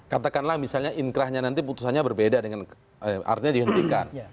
katakanlah misalnya inkrahnya nanti putusannya berbeda dengan artinya dihentikan